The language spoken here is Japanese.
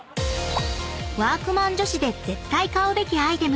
⁉［＃ワークマン女子で絶対買うべきアイテム］